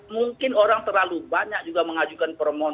mungkin orang terlalu banyak juga mengajukan permohonan